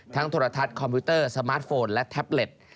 โทรทัศน์คอมพิวเตอร์สมาร์ทโฟนและแท็บเล็ต